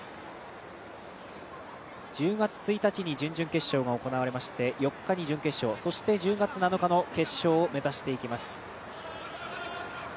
１０月１日に準々決勝が行われまして４日に準決勝、そして１０月７日の決勝を目指していきます。